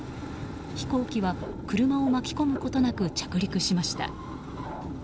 飛行機は車を巻き込むことなく着陸しました。